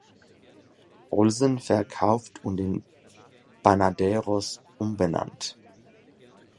Olsen verkauft und in "Banaderos" umbenannt.